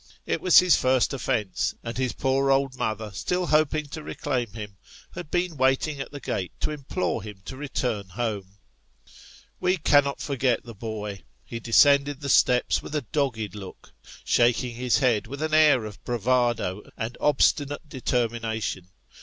It was his first offence, and his poor old mother, still hoping to reclaim him, had been waiting at the gate to implore him to return home. Wo cannot forget the boy ; he descended the steps with a dogged look, shaking his head with an air of bravado and obstinate determina tion.